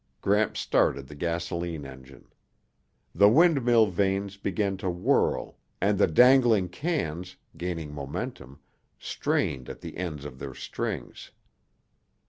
Gramps started the gasoline engine. The windmill vanes began to whirl and the dangling cans, gaining momentum, strained at the ends of their strings.